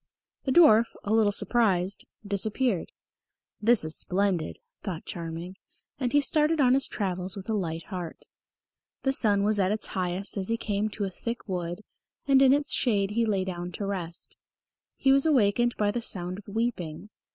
The dwarf, a little surprised, disappeared. "This is splendid," thought Charming, and he started on his travels with a light heart. The sun was at its highest as he came to a thick wood, and in its shade he lay down to rest. He was awakened by the sound of weeping.